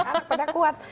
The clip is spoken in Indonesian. anak pada kuat